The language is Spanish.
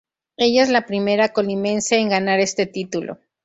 Ella es la primera Colimense en ganar este título.